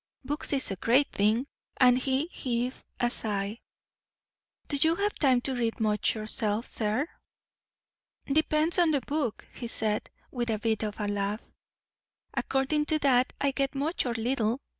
Books is a great thing!" And he heaved a sigh. "Do you have time to read much yourself, sir?" "Depends on the book," he said, with a bit of a laugh. "Accordin' to that, I get much or little.